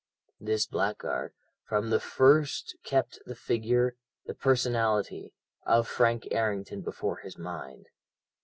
"This blackguard from the first kept the figure, the personality, of Frank Errington before his mind.